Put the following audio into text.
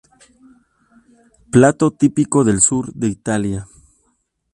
Plato típico del sur de Italia.